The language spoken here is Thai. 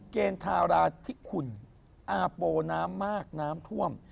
เกณฑ์ทาราธิคุณอาโปน้ำมากน้ำท่วม